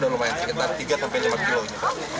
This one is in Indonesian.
oh ya ampun